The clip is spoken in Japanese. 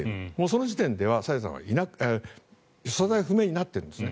その時点では朝芽さんは所在不明になっているんです。